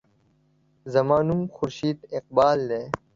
زما نوم خورشید اقبال دے.